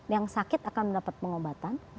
yang sakit akan mendapat pengobatan